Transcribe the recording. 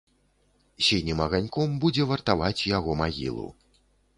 Сінім аганьком будзе вартаваць яго магілу.